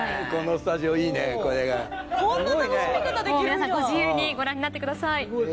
皆さんご自由にご覧になってください。